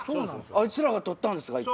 あいつらが取ったんすか。